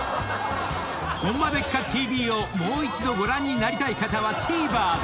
［『ホンマでっか⁉ＴＶ』をもう一度ご覧になりたい方はＴＶｅｒで！］